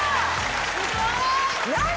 すごーい！